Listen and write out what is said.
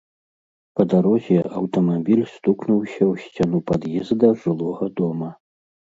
Па дарозе аўтамабіль стукнуўся ў сцяну пад'езда жылога дома.